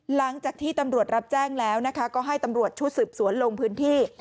หลังจากที่ตำรวจรับแจ้งแล้วนะคะก็ให้ตำรวจชุดสืบสวนลงพื้นที่